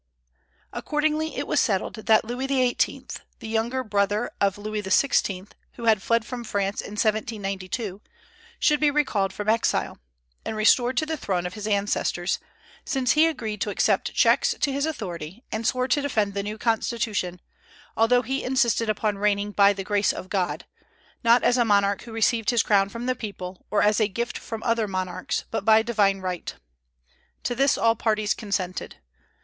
Accordingly it was settled that Louis XVIII., the younger brother of Louis XVI., who had fled from France in 1792, should be recalled from exile, and restored to the throne of his ancestors, since he agreed to accept checks to his authority, and swore to defend the new constitution, although he insisted upon reigning "by the grace of God," not as a monarch who received his crown from the people, or as a gift from other monarchs, but by divine right. To this all parties consented.